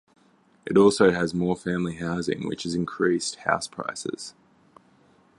It also has more family housing which has increased house prices.